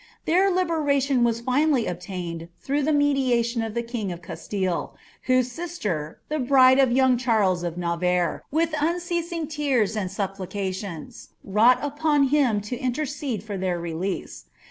Their liberation was finally obtained through the mediation of the king of Castillo, whose sister, the bride of young Charles of Navarre, WMth unceasing tears and supplications, wrought upon him to intercede for their release.